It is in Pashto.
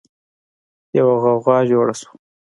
يوه غوغا جوړه شوه.